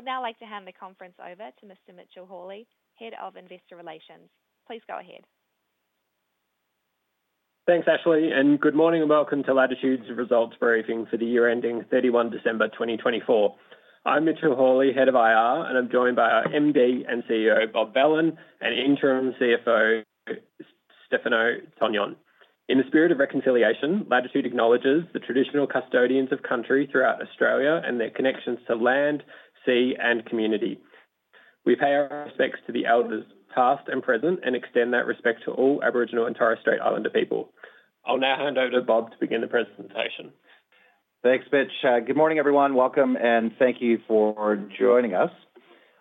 I would now like to hand the conference over to Mr. Mitchell Hawley, Head of Investor Relations. Please go ahead. Thanks, Ashley, and good morning and welcome to Latitude's results briefing for the year ending 31 December 2024. I'm Mitchell Hawley, Head of IR, and I'm joined by our MD and CEO, Bob Belan, and Interim CFO, Stefano Tognon. In the spirit of reconciliation, Latitude acknowledges the traditional custodians of country throughout Australia and their connections to land, sea, and community. We pay our respects to the elders past and present and extend that respect to all Aboriginal and Torres Strait Islander people. I'll now hand over to Bob to begin the presentation. Thanks, Mitch. Good morning, everyone. Welcome, and thank you for joining us.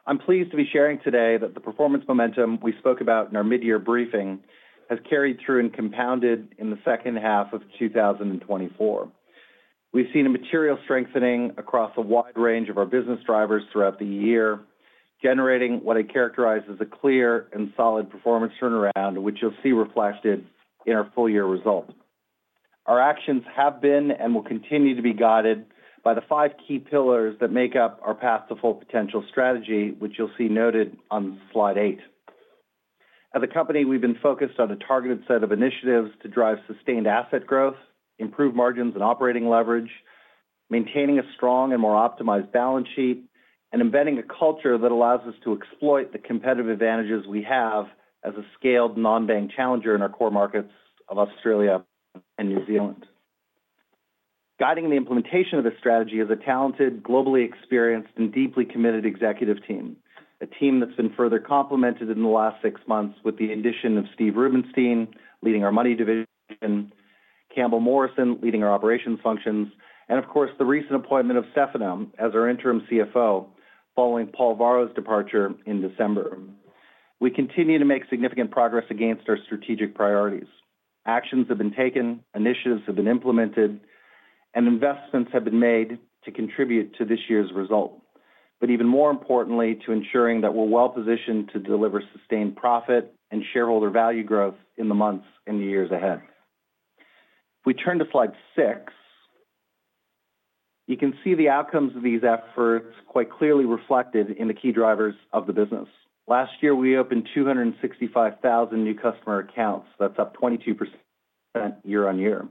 I'm pleased to be sharing today that the performance momentum we spoke about in our mid-year briefing has carried through and compounded in the second half of 2024. We've seen a material strengthening across a wide range of our business drivers throughout the year, generating what I characterize as a clear and solid performance turnaround, which you'll see reflected in our full-year result. Our actions have been and will continue to be guided by the five key pillars that make up our Path to Full Potential strategy, which you'll see noted on slide eight. As a company, we've been focused on a targeted set of initiatives to drive sustained asset growth, improve margins and operating leverage, maintaining a strong and more optimized balance sheet, and embedding a culture that allows us to exploit the competitive advantages we have as a scaled non-bank challenger in our core markets of Australia and New Zealand. Guiding the implementation of this strategy is a talented, globally experienced, and deeply committed executive team, a team that's been further complemented in the last six months with the addition of Steve Rubinstein leading our Money Division, Campbell Morrison leading our operations functions, and of course, the recent appointment of Stefano as our Interim CFO following Paul Varro's departure in December. We continue to make significant progress against our strategic priorities. Actions have been taken, initiatives have been implemented, and investments have been made to contribute to this year's result, but even more importantly, to ensuring that we're well positioned to deliver sustained profit and shareholder value growth in the months and years ahead. If we turn to slide six, you can see the outcomes of these efforts quite clearly reflected in the key drivers of the business. Last year, we opened 265,000 new customer accounts. That's up 22% year-on-year.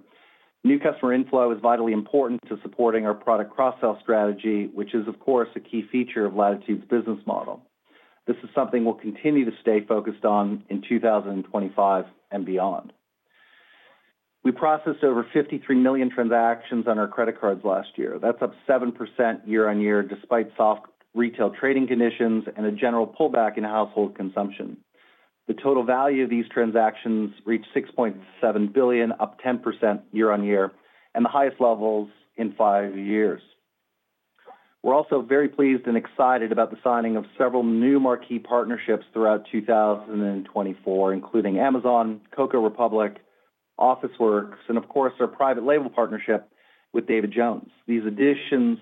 New customer inflow is vitally important to supporting our product cross-sell strategy, which is, of course, a key feature of Latitude's business model. This is something we'll continue to stay focused on in 2025 and beyond. We processed over 53 million transactions on our credit cards last year. That's up 7% year-on-year, despite soft retail trading conditions and a general pullback in household consumption. The total value of these transactions reached 6.7 billion, up 10% year-on-year, and the highest levels in five years. We're also very pleased and excited about the signing of several new marquee partnerships throughout 2024, including Amazon, Coco Republic, Officeworks, and of course, our private label partnership with David Jones. These additions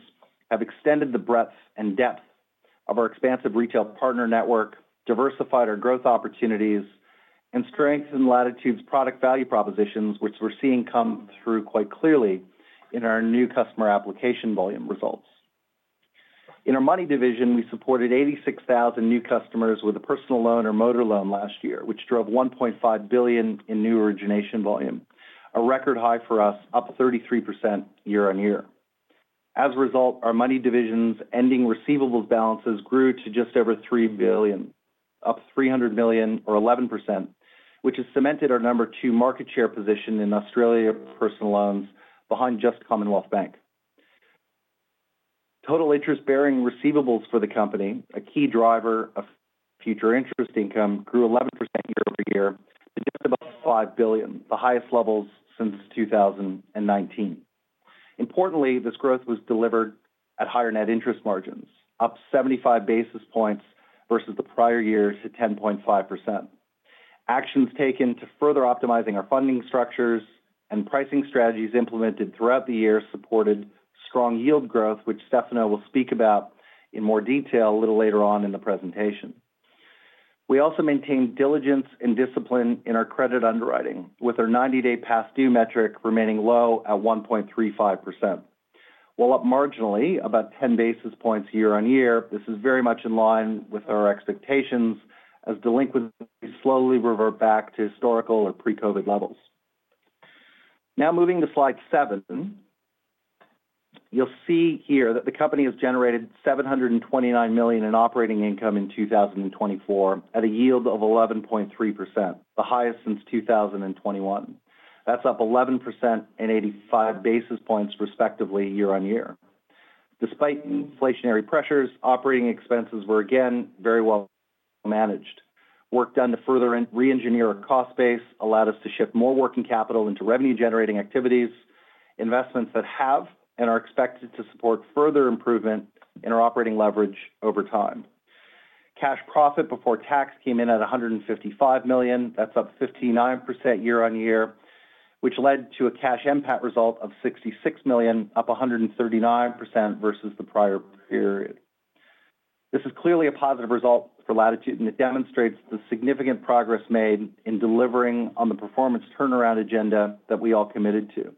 have extended the breadth and depth of our expansive retail partner network, diversified our growth opportunities, and strengthened Latitude's product value propositions, which we're seeing come through quite clearly in our new customer application volume results. In our money division, we supported 86,000 new customers with a personal loan or motor loan last year, which drove 1.5 billion in new origination volume, a record high for us, up 33% year-on-year. As a result, our money division's ending receivables balances grew to just over 3 billion, up 300 million, or 11%, which has cemented our number two market share position in Australia personal loans behind just Commonwealth Bank. Total interest-bearing receivables for the company, a key driver of future interest income, grew 11% year-over-year, to just above 5 billion, the highest levels since 2019. Importantly, this growth was delivered at higher net interest margins, up 75 basis points versus the prior year to 10.5%. Actions taken to further optimizing our funding structures and pricing strategies implemented throughout the year supported strong yield growth, which Stefano will speak about in more detail a little later on in the presentation. We also maintained diligence and discipline in our credit underwriting, with our 90-day past due metric remaining low at 1.35%. While up marginally, about 10 basis points year-on-year, this is very much in line with our expectations as delinquencies slowly revert back to historical or pre-COVID levels. Now moving to slide seven, you'll see here that the company has generated 729 million in operating income in 2024 at a yield of 11.3%, the highest since 2021. That's up 11% and 85 basis points respectively year-on-year. Despite inflationary pressures, operating expenses were again very well managed. Work done to further re-engineer our cost base allowed us to shift more working capital into revenue-generating activities, investments that have and are expected to support further improvement in our operating leverage over time. Cash profit before tax came in at 155 million. That's up 59% year-on-year, which led to a Cash NPAT result of 66 million, up 139% versus the prior period. This is clearly a positive result for Latitude, and it demonstrates the significant progress made in delivering on the performance turnaround agenda that we all committed to.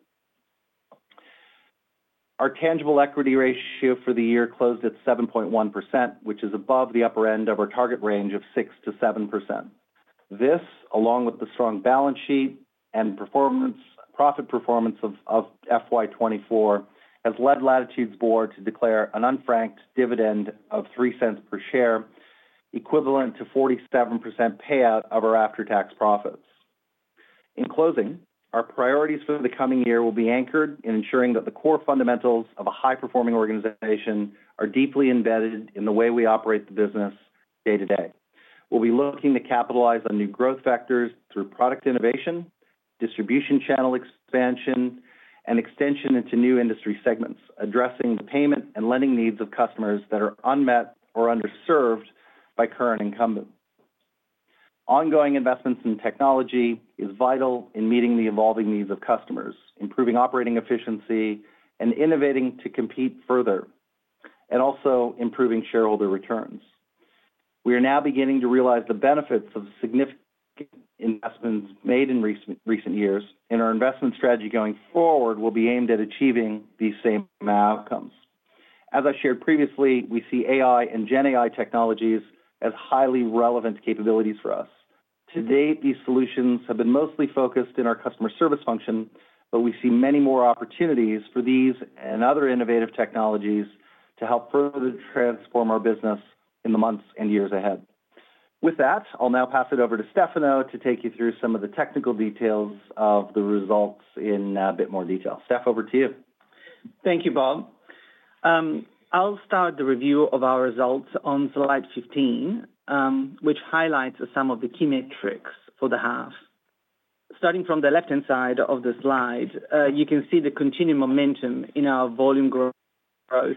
Our tangible equity ratio for the year closed at 7.1%, which is above the upper end of our target range of 6%-7%. This, along with the strong balance sheet and profit performance of FY24, has led Latitude's board to declare an unfranked dividend of 0.03 per share, equivalent to 47% payout of our after-tax profits. In closing, our priorities for the coming year will be anchored in ensuring that the core fundamentals of a high-performing organization are deeply embedded in the way we operate the business day to day. We'll be looking to capitalize on new growth factors through product innovation, distribution channel expansion, and extension into new industry segments, addressing the payment and lending needs of customers that are unmet or underserved by current incumbents. Ongoing investments in technology are vital in meeting the evolving needs of customers, improving operating efficiency, and innovating to compete further, and also improving shareholder returns. We are now beginning to realize the benefits of significant investments made in recent years, and our investment strategy going forward will be aimed at achieving these same outcomes. As I shared previously, we see AI and GenAI technologies as highly relevant capabilities for us. To date, these solutions have been mostly focused in our customer service function, but we see many more opportunities for these and other innovative technologies to help further transform our business in the months and years ahead. With that, I'll now pass it over to Stefano to take you through some of the technical details of the results in a bit more detail. Stef, over to you. Thank you, Bob. I'll start the review of our results on slide 15, which highlights some of the key metrics for the half. Starting from the left-hand side of the slide, you can see the continued momentum in our volume growth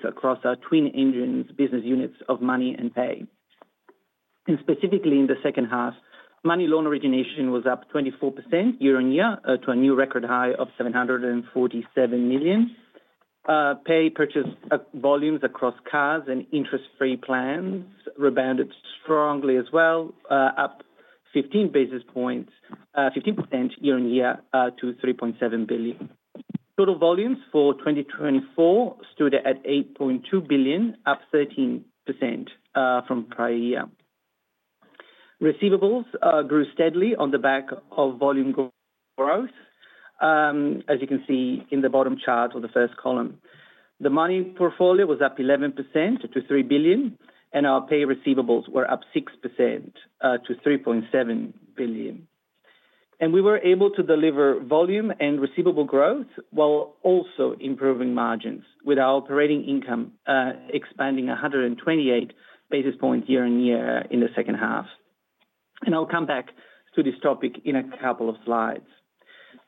across our twin engine business units of money and pay. And specifically in the second half, money loan origination was up 24% year-on-year to a new record high of 747 million. Pay purchase volumes across cars and interest-free plans rebounded strongly as well, up 15% year-on-year to 3.7 billion. Total volumes for 2024 stood at 8.2 billion, up 13% from prior year. Receivables grew steadily on the back of volume growth, as you can see in the bottom chart or the first column. The money portfolio was up 11% to 3 billion, and our pay receivables were up 6% to 3.7 billion. We were able to deliver volume and receivable growth while also improving margins with our operating income expanding 128 basis points year-on-year in the second half. I'll come back to this topic in a couple of slides.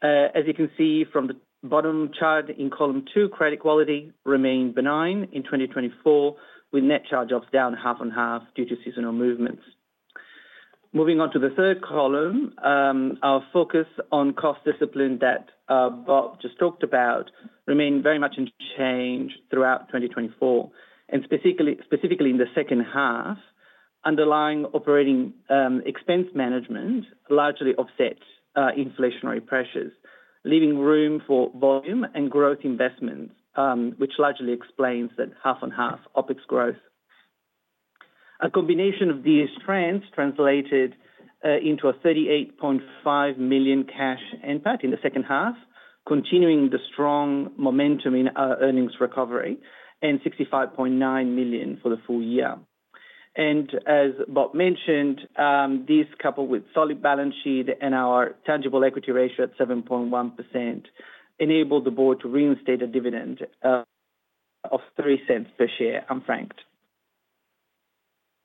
As you can see from the bottom chart in column two, credit quality remained benign in 2024, with net charge-offs down half and half due to seasonal movements. Moving on to the third column, our focus on cost discipline that Bob just talked about remained very much unchanged throughout 2024. Specifically in the second half, underlying operating expense management largely offset inflationary pressures, leaving room for volume and growth investments, which largely explains that half and half OpEx growth. A combination of these trends translated into an 38.5 million cash impact in the second half, continuing the strong momentum in our earnings recovery and 65.9 million for the full year. As Bob mentioned, these, coupled with solid balance sheet and our tangible equity ratio at 7.1%, enabled the board to reinstate a dividend of 0.03 per share, unfranked.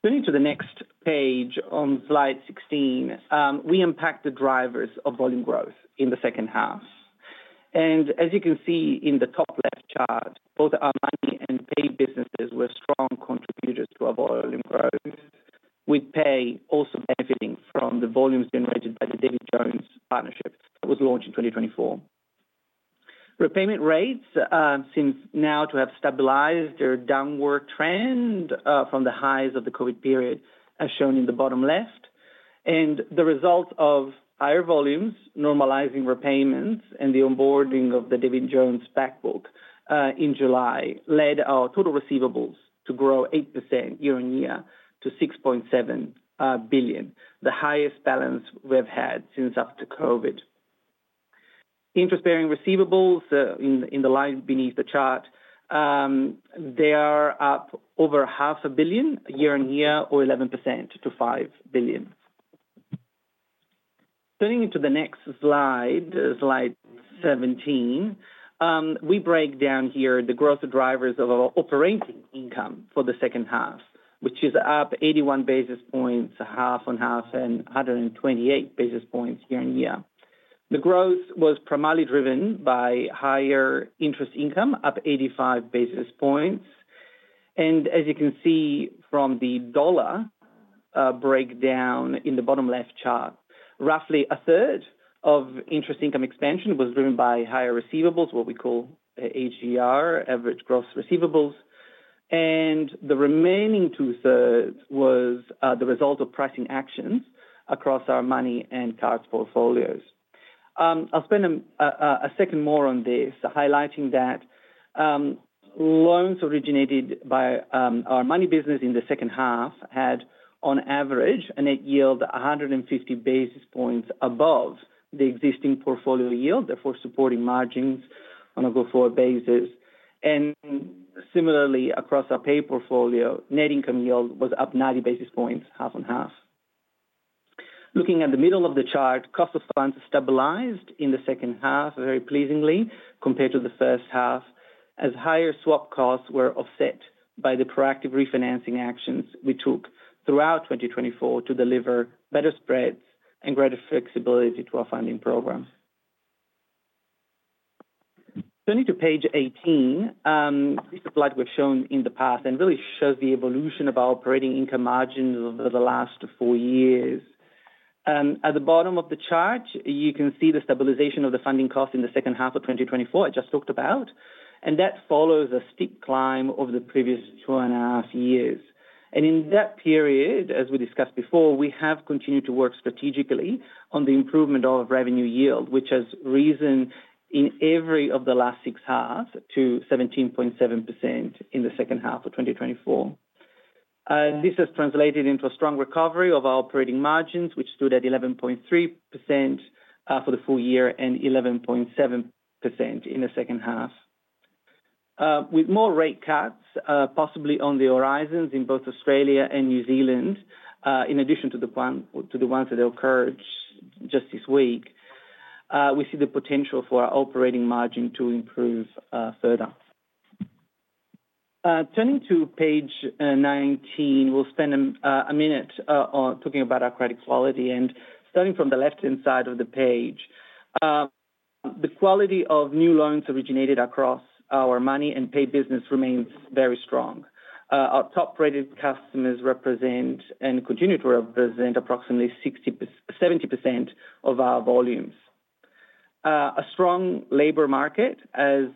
Turning to the next page on slide 16, we unpacked the drivers of volume growth in the second half. As you can see in the top left chart, both our Money and Pay businesses were strong contributors to our volume growth, with Pay also benefiting from the volumes generated by the David Jones partnership that was launched in 2024. Repayment rates seem now to have stabilized their downward trend from the highs of the COVID period, as shown in the bottom left. The result of higher volumes, normalizing repayments, and the onboarding of the David Jones backbook in July led our total receivables to grow 8% year-on-year to 6.7 billion, the highest balance we've had since after COVID. Interest-bearing receivables in the line beneath the chart, they are up over 0.5 billion year-on-year, or 11% to 5 billion. Turning to the next slide, slide 17, we break down here the growth drivers of our operating income for the second half, which is up 81 basis points half and half, and 128 basis points year-on-year. The growth was primarily driven by higher interest income, up 85 basis points. And as you can see from the dollar breakdown in the bottom left chart, roughly a third of interest income expansion was driven by higher receivables, what we call AGR, average gross receivables. And the remaining two-thirds was the result of pricing actions across our Money and cards portfolios. I'll spend a second more on this, highlighting that loans originated by our Money business in the second half had, on average, a net yield 150 basis points above the existing portfolio yield, therefore supporting margins on a go forward basis. And similarly, across our Pay portfolio, net income yield was up 90 basis points, half and half. Looking at the middle of the chart, cost of funds stabilized in the second half very pleasingly compared to the first half, as higher swap costs were offset by the proactive refinancing actions we took throughout 2024 to deliver better spreads and greater flexibility to our funding program. Turning to page 18, this is a slide we've shown in the past and really shows the evolution of our operating income margins over the last four years. At the bottom of the chart, you can see the stabilization of the funding cost in the second half of 2024, I just talked about, and that follows a steep climb over the previous two and a half years, and in that period, as we discussed before, we have continued to work strategically on the improvement of revenue yield, which has risen in every of the last six halves to 17.7% in the second half of 2024. This has translated into a strong recovery of our operating margins, which stood at 11.3% for the full year and 11.7% in the second half. With more rate cuts possibly on the horizons in both Australia and New Zealand, in addition to the ones that occurred just this week, we see the potential for our operating margin to improve further. Turning to page 19, we'll spend a minute talking about our credit quality. Starting from the left-hand side of the page, the quality of new loans originated across our Money and Pay business remains very strong. Our top-rated customers represent and continue to represent approximately 70% of our volumes. A strong labor market has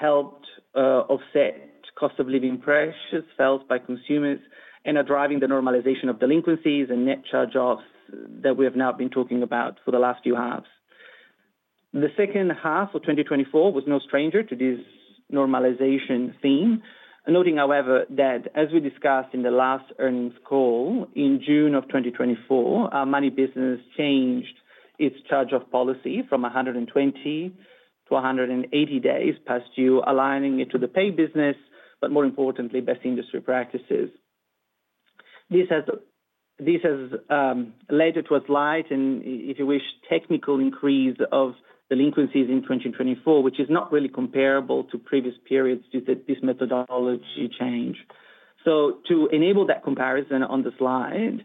helped offset cost-of-living pressures felt by consumers and are driving the normalization of delinquencies and net charge-offs that we have now been talking about for the last few halves. The second half of 2024 was no stranger to this normalization theme. Noting, however, that as we discussed in the last earnings call in June of 2024, our Money business changed its charge-off policy from 120 to 180 days past due, aligning it to the Pay business, but more importantly, best industry practices. This has led to a slight, and if you wish, technical increase of delinquencies in 2024, which is not really comparable to previous periods due to this methodology change. So to enable that comparison on the slide,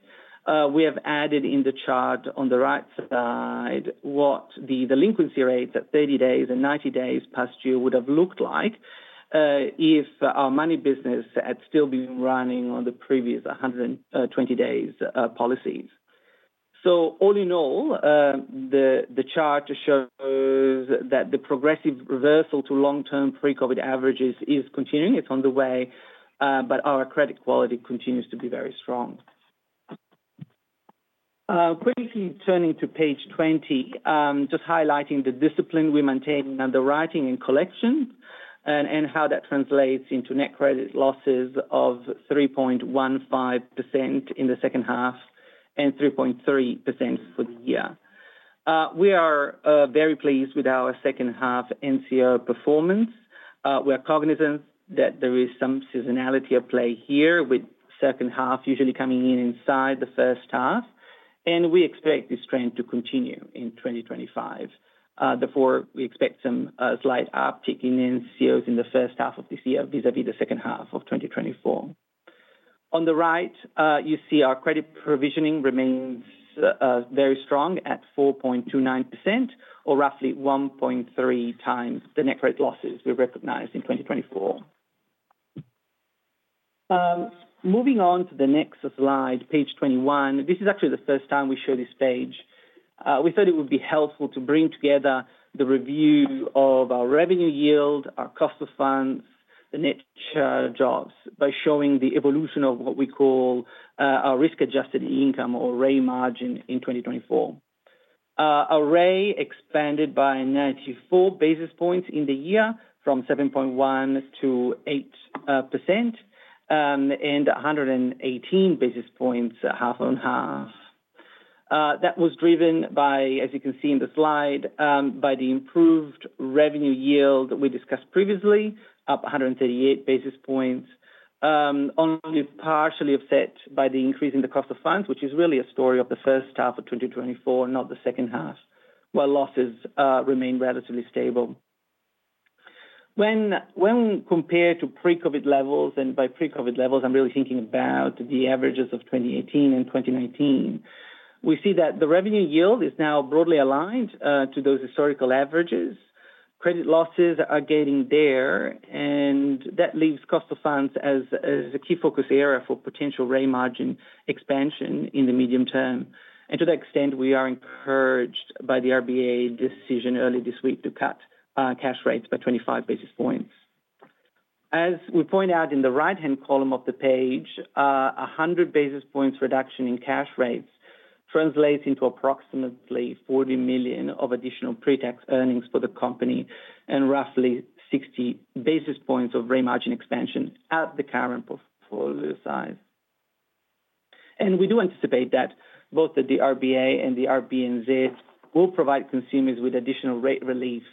we have added in the chart on the right side what the delinquency rates at 30 days and 90 days past due would have looked like if our money business had still been running on the previous 120-day policies. So all in all, the chart shows that the progressive reversal to long-term pre-COVID averages is continuing. It's on the way, but our credit quality continues to be very strong. Quickly turning to page 20, just highlighting the discipline we maintain underwriting and collection and how that translates into net credit losses of 3.15% in the second half and 3.3% for the year. We are very pleased with our second-half NCO performance. We are cognizant that there is some seasonality at play here, with second half usually coming in inside the first half, and we expect this trend to continue in 2025. Therefore, we expect some slight uptick in NCOs in the first half of this year vis-à-vis the second half of 2024. On the right, you see our credit provisioning remains very strong at 4.29%, or roughly 1.3 times the net credit losses we recognized in 2024. Moving on to the next slide, page 21, this is actually the first time we show this page. We thought it would be helpful to bring together the review of our revenue yield, our cost of funds, the net charge-offs by showing the evolution of what we call our risk-adjusted income or RAI margin in 2024. Our RAI expanded by 94 basis points in the year from 7.1% to 8% and 118 basis points half and half. That was driven by, as you can see in the slide, by the improved revenue yield we discussed previously, up 138 basis points, only partially offset by the increase in the cost of funds, which is really a story of the first half of 2024, not the second half, while losses remain relatively stable. When compared to pre-COVID levels, and by pre-COVID levels, I'm really thinking about the averages of 2018 and 2019, we see that the revenue yield is now broadly aligned to those historical averages. Credit losses are getting there, and that leaves cost of funds as a key focus area for potential RAI margin expansion in the medium term. And to that extent, we are encouraged by the RBA decision early this week to cut cash rates by 25 basis points. As we point out in the right-hand column of the page, 100 basis points reduction in cash rates translates into approximately 40 million of additional pre-tax earnings for the company and roughly 60 basis points of RAI margin expansion at the current portfolio size. And we do anticipate that both the RBA and the RBNZ will provide consumers with additional rate relief.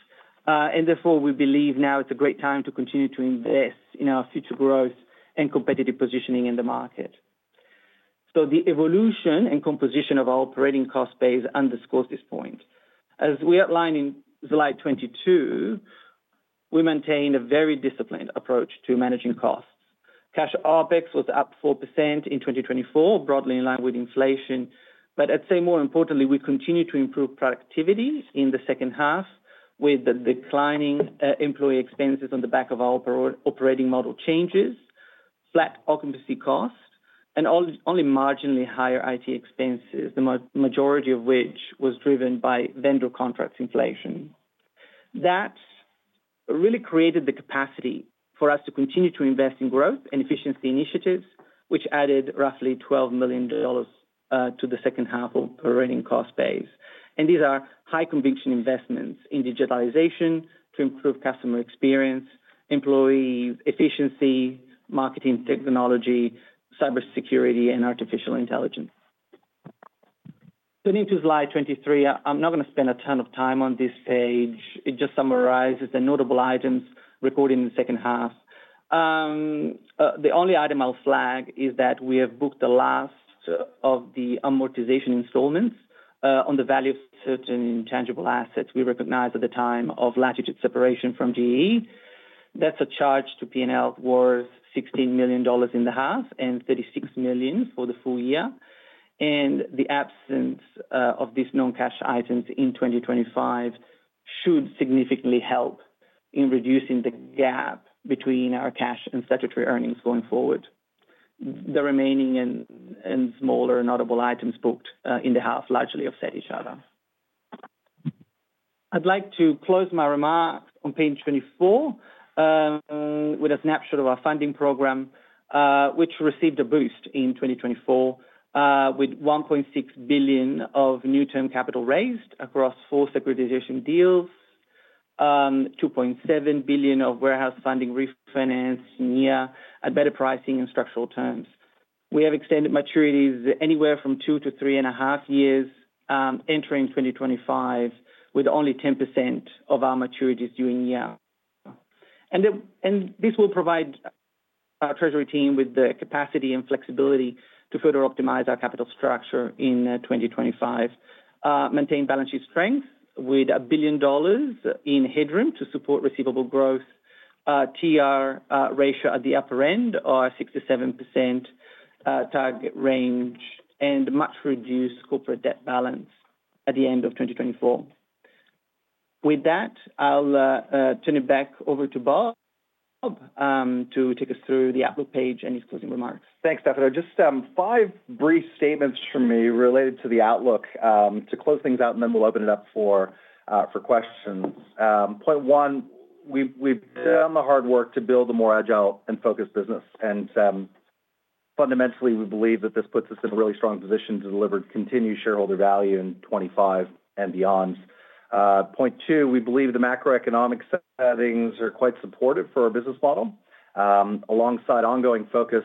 And therefore, we believe now it's a great time to continue to invest in our future growth and competitive positioning in the market. So the evolution and composition of our operating cost base underscores this point. As we outline in slide 22, we maintain a very disciplined approach to managing costs. Cash OpEx was up 4% in 2024, broadly in line with inflation. But I'd say more importantly, we continue to improve productivity in the second half with the declining employee expenses on the back of our operating model changes, flat occupancy costs, and only marginally higher IT expenses, the majority of which was driven by vendor contracts inflation. That really created the capacity for us to continue to invest in growth and efficiency initiatives, which added roughly 12 million dollars to the second half of operating cost base. And these are high-conviction investments in digitalization to improve customer experience, employee efficiency, marketing technology, cybersecurity, and artificial intelligence. Turning to slide 23, I'm not going to spend a ton of time on this page. It just summarizes the notable items recorded in the second half. The only item I'll flag is that we have booked the last of the amortization installments on the value of certain tangible assets we recognized at the time of Latitude separation from GE. That's a charge to P&L worth 16 million dollars in the half and 36 million for the full year. And the absence of these non-cash items in 2025 should significantly help in reducing the gap between our cash and statutory earnings going forward. The remaining and smaller notable items booked in the half largely offset each other. I'd like to close my remarks on page 24 with a snapshot of our funding program, which received a boost in 2024 with 1.6 billion of new-term capital raised across four securitization deals, 2.7 billion of warehouse funding refinanced near at better pricing and structural terms. We have extended maturities anywhere from two to three and a half years entering 2025 with only 10% of our maturities due in year. This will provide our treasury team with the capacity and flexibility to further optimize our capital structure in 2025. Maintain balance sheet strength with 1 billion dollars in headroom to support receivable growth. TER ratio at the upper end of 6%-7% target range and much reduced corporate debt balance at the end of 2024. With that, I'll turn it back over to Bob to take us through the outlook page and his closing remarks. Thanks, David. Just five brief statements from me related to the outlook to close things out, and then we'll open it up for questions. Point one, we've done the hard work to build a more agile and focused business. Fundamentally, we believe that this puts us in a really strong position to deliver continued shareholder value in 2025 and beyond. Point two, we believe the macroeconomic settings are quite supportive for our business model. Alongside ongoing focus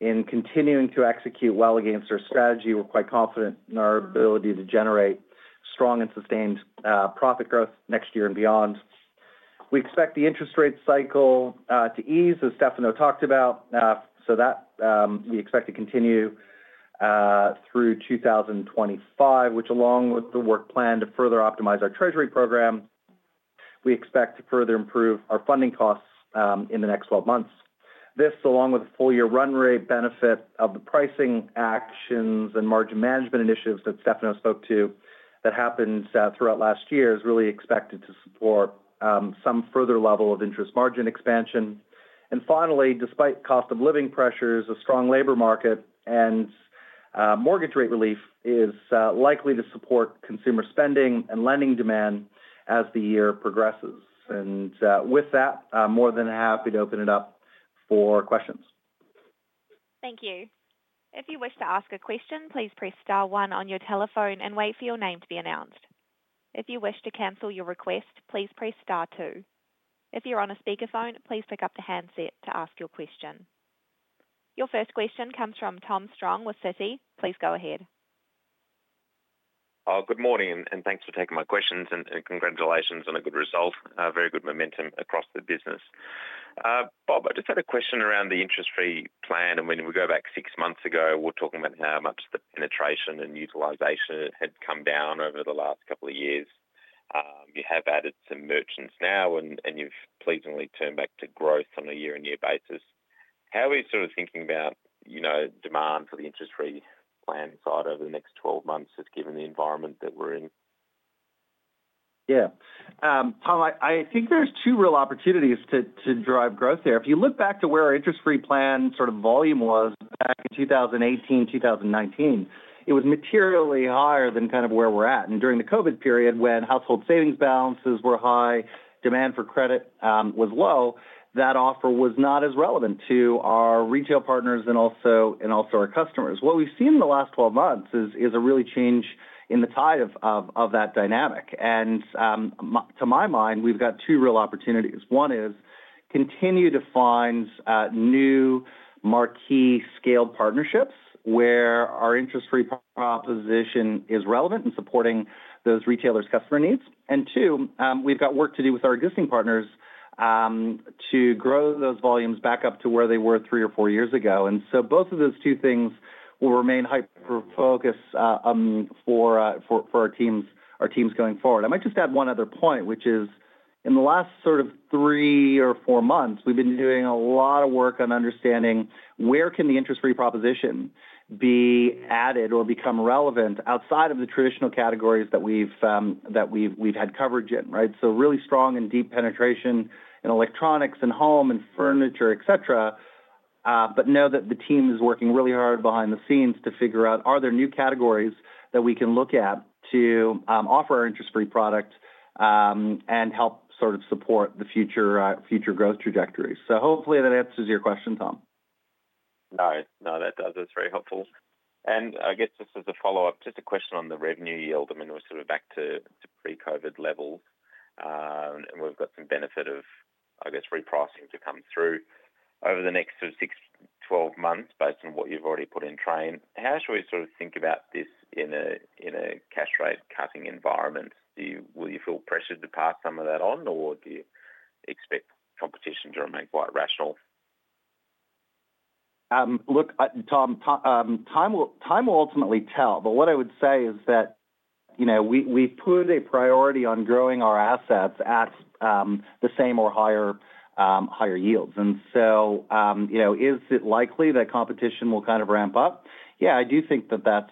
in continuing to execute well against our strategy, we're quite confident in our ability to generate strong and sustained profit growth next year and beyond. We expect the interest rate cycle to ease, as Stefano talked about. We expect to continue through 2025, which, along with the work planned to further optimize our treasury program, we expect to further improve our funding costs in the next 12 months. This, along with the full-year run rate benefit of the pricing actions and margin management initiatives that Stefano spoke to that happened throughout last year, is really expected to support some further level of interest margin expansion. And finally, despite cost-of-living pressures, a strong labor market and mortgage rate relief is likely to support consumer spending and lending demand as the year progresses. And with that, I'm more than happy to open it up for questions. Thank you. If you wish to ask a question, please press star one on your telephone and wait for your name to be announced. If you wish to cancel your request, please press star two. If you're on a speakerphone, please pick up the handset to ask your question. Your first question comes from Tom Strong with Citi. Please go ahead. Good morning, and thanks for taking my questions. And congratulations on a good result, very good momentum across the business. Bob, I just had a question around the interest rate plan. When we go back six months ago, we're talking about how much the penetration and utilization had come down over the last couple of years. You have added some merchants now, and you've pleasingly turned back to growth on a year-on-year basis. How are you sort of thinking about demand for the interest-free plan side over the next 12 months, just given the environment that we're in? Yeah. Tom, I think there's two real opportunities to drive growth here. If you look back to where our interest-free plan sort of volume was back in 2018, 2019, it was materially higher than kind of where we're at. And during the COVID period, when household savings balances were high, demand for credit was low, that offer was not as relevant to our retail partners and also our customers. What we've seen in the last 12 months is a real change in the tide of that dynamic, and to my mind, we've got two real opportunities. One is continue to find new marquee scaled partnerships where our interest rate proposition is relevant in supporting those retailers' customer needs, and two, we've got work to do with our existing partners to grow those volumes back up to where they were three or four years ago, and so both of those two things will remain hyper-focused for our teams going forward. I might just add one other point, which is in the last sort of three or four months, we've been doing a lot of work on understanding where can the interest rate proposition be added or become relevant outside of the traditional categories that we've had coverage in, right? So really strong and deep penetration in electronics and home and furniture, et cetera. But know that the team is working really hard behind the scenes to figure out, are there new categories that we can look at to offer our interest rate product and help sort of support the future growth trajectory? So hopefully that answers your question, Tom. No, no, that does. That's very helpful. And I guess just as a follow-up, just a question on the revenue yield. I mean, we're sort of back to pre-COVID levels, and we've got some benefit of, I guess, repricing to come through over the next sort of 6-12 months based on what you've already put in train. How should we sort of think about this in a cash rate-cutting environment? Will you feel pressured to pass some of that on, or do you expect competition to remain quite rational? Look, Tom, time will ultimately tell, but what I would say is that we put a priority on growing our assets at the same or higher yields, and so is it likely that competition will kind of ramp up? Yeah, I do think that that's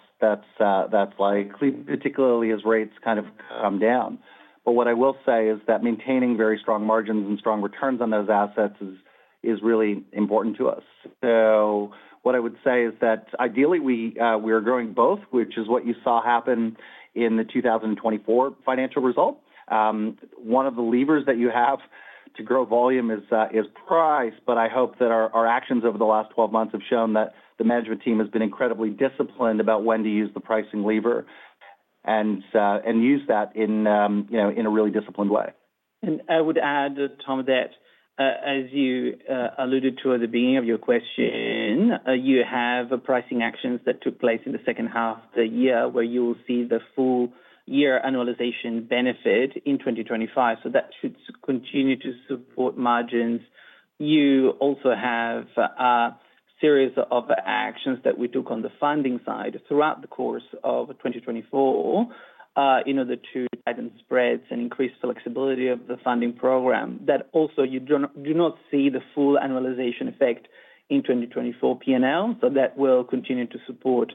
likely, particularly as rates kind of come down, but what I will say is that maintaining very strong margins and strong returns on those assets is really important to us, so what I would say is that ideally we are growing both, which is what you saw happen in the 2024 financial result. One of the levers that you have to grow volume is price, but I hope that our actions over the last 12 months have shown that the management team has been incredibly disciplined about when to use the pricing lever and use that in a really disciplined way. And I would add, Tom, that as you alluded to at the beginning of your question, you have pricing actions that took place in the second half of the year where you will see the full year annualization benefit in 2025. So that should continue to support margins. You also have a series of actions that we took on the funding side throughout the course of 2024 in order to tighten spreads and increase flexibility of the funding program. That also you do not see the full annualization effect in 2024 P&L. So that will continue to support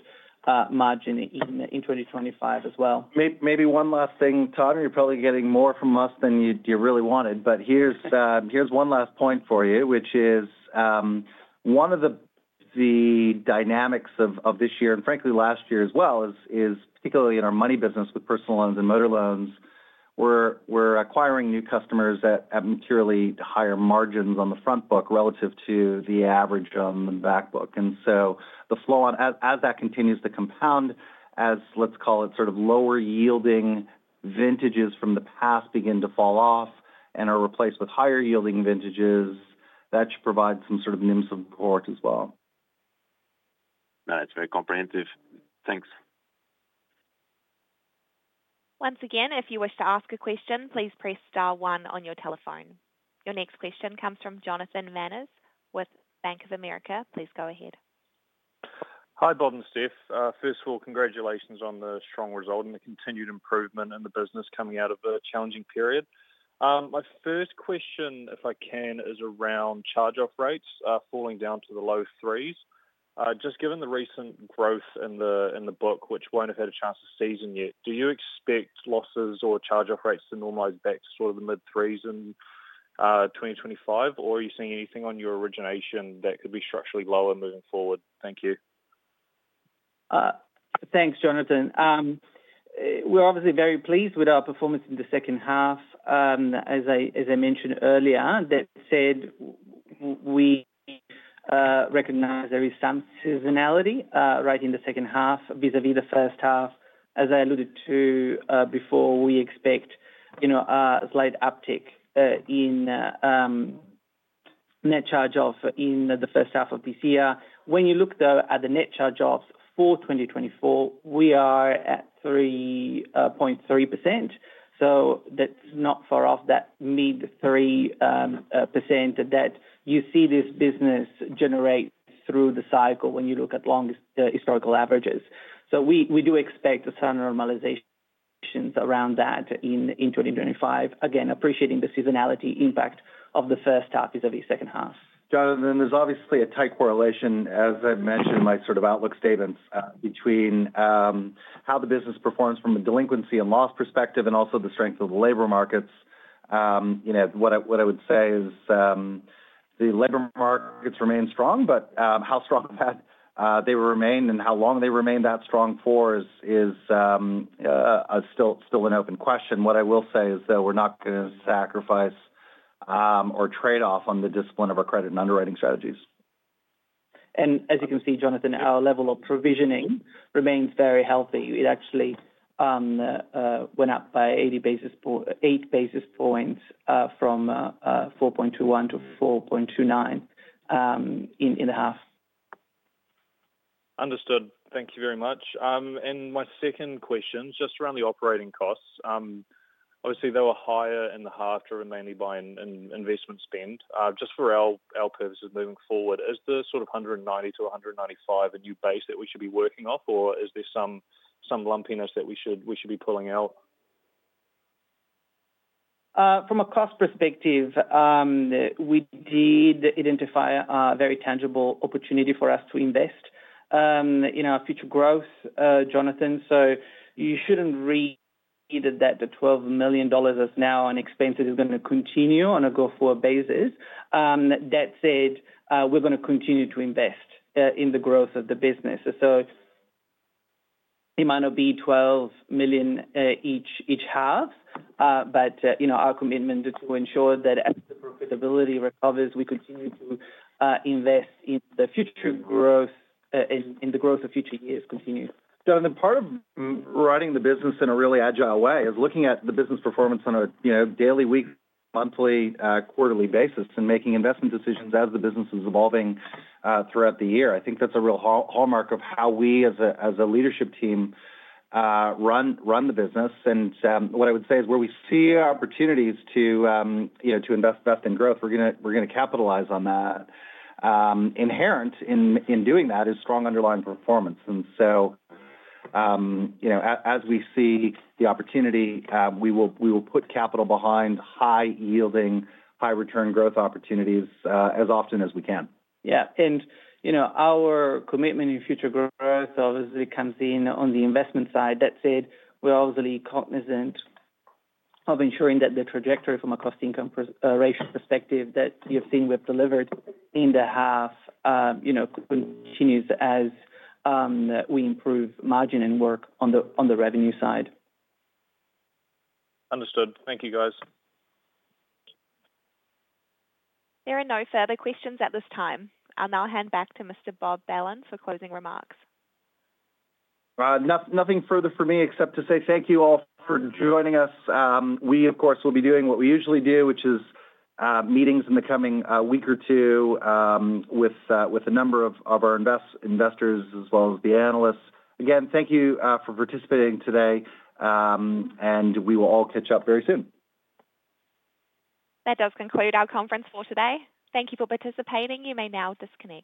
margin in 2025 as well. Maybe one last thing, Tom. You're probably getting more from us than you really wanted. But here's one last point for you, which is one of the dynamics of this year, and frankly last year as well, is particularly in our money business with personal loans and motor loans. We're acquiring new customers at materially higher margins on the front book relative to the average on the back book. And so the flow on, as that continues to compound, as let's call it sort of lower yielding vintages from the past begin to fall off and are replaced with higher yielding vintages, that should provide some sort of NIMS support as well. No, that's very comprehensive. Thanks. Once again, if you wish to ask a question, please press star one on your telephone. Your next question comes from Jonathan Mannes with Bank of America. Please go ahead. Hi, Bob and Stef. First of all, congratulations on the strong result and the continued improvement in the business coming out of a challenging period. My first question, if I can, is around charge-off rates falling down to the low threes. Just given the recent growth in the book, which won't have had a chance to season yet, do you expect losses or charge-off rates to normalize back to sort of the mid-threes in 2025, or are you seeing anything on your origination that could be structurally lower moving forward? Thank you. Thanks, Jonathan. We're obviously very pleased with our performance in the second half. As I mentioned earlier, that said, we recognize there is some seasonality right in the second half vis-à-vis the first half. As I alluded to before, we expect a slight uptick in net charge-off in the first half of this year. When you look, though, at the net charge-offs for 2024, we are at 3.3%. So that's not far off that mid-three% that you see this business generate through the cycle when you look at long historical averages. So we do expect some normalizations around that in 2025, again, appreciating the seasonality impact of the first half vis-à-vis second half. Jonathan, there's obviously a tight correlation, as I mentioned, my sort of outlook statements between how the business performs from a delinquency and loss perspective, and also the strength of the labor markets. What I would say is the labor markets remain strong, but how strong they will remain and how long they remain that strong for is still an open question. What I will say is that we're not going to sacrifice or trade off on the discipline of our credit and underwriting strategies. And as you can see, Jonathan, our level of provisioning remains very healthy. It actually went up by eight basis points from 4.21% to 4.29% in the half. Understood. Thank you very much. And my second question just around the operating costs. Obviously, they were higher in the half driven mainly by investment spend. Just for our purposes moving forward, is the sort of 190-195 a new base that we should be working off, or is there some lumpiness that we should be pulling out? From a cost perspective, we did identify a very tangible opportunity for us to invest in our future growth, Jonathan. So you shouldn't read that the 12 million dollars as now on expenses is going to continue on a go-forward basis. That said, we're going to continue to invest in the growth of the business. So it might not be 12 million each half, but our commitment is to ensure that as the profitability recovers, we continue to invest in the future growth, and the growth of future years continues. Jonathan, part of running the business in a really agile way is looking at the business performance on a daily, weekly, monthly, quarterly basis and making investment decisions as the business is evolving throughout the year. I think that's a real hallmark of how we, as a leadership team, run the business. And what I would say is where we see opportunities to invest in growth, we're going to capitalize on that. Inherent in doing that is strong underlying performance. And so as we see the opportunity, we will put capital behind high-yielding, high-return growth opportunities as often as we can. Yeah. And our commitment in future growth obviously comes in on the investment side. That said, we're obviously cognizant of ensuring that the trajectory from a cost-income ratio perspective that you've seen we've delivered in the half continues as we improve margin and work on the revenue side. Understood. Thank you, guys. There are no further questions at this time. I'll now hand back to Mr. Bob Belan for closing remarks. Nothing further for me except to say thank you all for joining us. We, of course, will be doing what we usually do, which is meetings in the coming week or two with a number of our investors, as well as the analysts. Again, thank you for participating today, and we will all catch up very soon. That does conclude our conference for today. Thank you for participating. You may now disconnect.